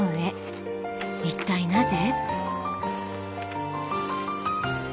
一体なぜ？